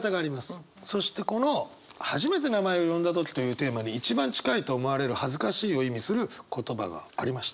そしてこの初めて名前を呼んだ時というテーマに一番近いと思われる恥ずかしいを意味する言葉がありました。